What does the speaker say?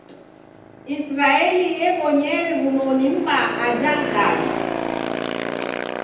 Isiraeli yabonyere w'unoni m'baa aja Gaza.